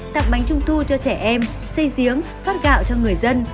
tặng bánh trung thu cho trẻ em xây giếng phát gạo cho người dân